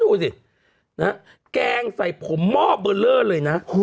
ดูสินะฮะแกงใส่ผมหม้อเบอร์เลอร์เลยนะ